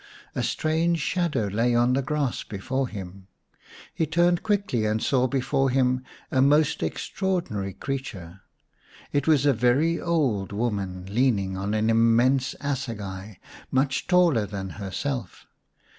A strange shadow lay on the grass before him. He turned quickly and saw before him a most extraordinary creature. It was a very old woman, leaning on an immense assegai, much taller than herself.